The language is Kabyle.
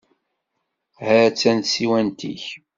Ha-tt-an tsiwant-ik.